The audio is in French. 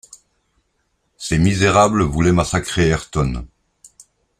Ces misérables voulaient massacrer Ayrton